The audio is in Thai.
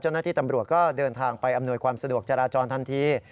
เจ้าหน้าที่ตำรวจก็เดินทางไปอำนวยความสะดวกจราจรทันที